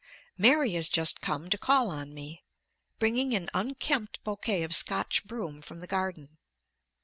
Mary has just come to call on me, bringing an unkempt bouquet of Scotch broom from the garden.